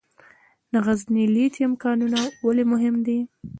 د غزني لیتیم کانونه ولې مهم دي؟